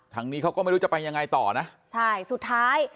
ทางนี้เขาก็ไม่รู้จะไปยังไงต่อนะใช่สุดท้าย